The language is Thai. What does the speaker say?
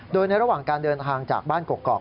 โดยในระหว่างการเดินทางจากบ้านกกอก